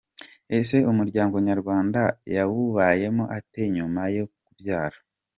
Ese umuryango nyarwanda yawubayemo ate nyuma yo kubyara?.